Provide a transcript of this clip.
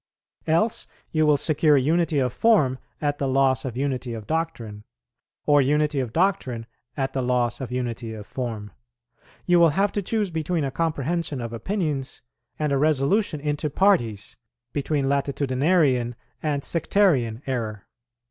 Else you will secure unity of form at the loss of unity of doctrine, or unity of doctrine at the loss of unity of form; you will have to choose between a comprehension of opinions and a resolution into parties, between latitudinarian and sectarian error.